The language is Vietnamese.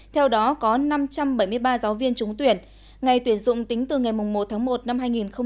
theo đó có năm trăm bảy mươi ba giáo viên trúng tuyển ngày tuyển dụng tính từ ngày một tháng một năm hai nghìn hai mươi